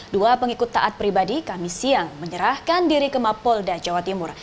dua pengikut taat pribadi kami siang menyerahkan diri ke mapolda jawa timur